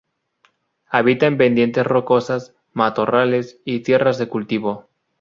Habita en pendientes rocosas, matorrales y tierras de cultivo.